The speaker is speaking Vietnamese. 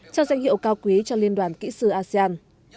trao danh hiệu cao quý cho liên đoàn kỹ sư asean